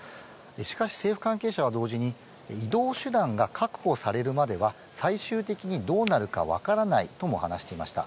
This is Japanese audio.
しかし政府関係者は同時に、移動手段が確保されるまでは、最終的にどうなるか分からないとも話していました。